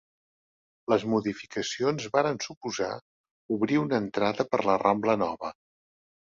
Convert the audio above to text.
Les modificacions varen suposar obrir una entrada per la Rambla Nova.